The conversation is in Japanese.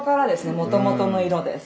もともとの色です。